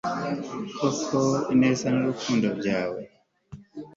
r/ koko ineza n'urukundo byawe